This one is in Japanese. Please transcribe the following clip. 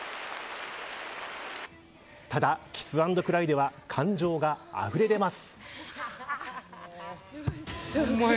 ただ、キスアンドクライでは感情があふれ出ます。